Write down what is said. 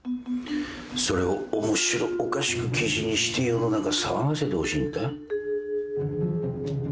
それを面白おかしく記事にして世の中騒がせてほしいんだ